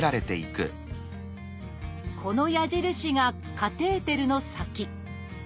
この矢印がカテーテルの先。